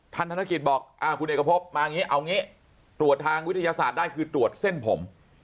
ธนกิจบอกคุณเอกพบมาอย่างนี้เอางี้ตรวจทางวิทยาศาสตร์ได้คือตรวจเส้นผม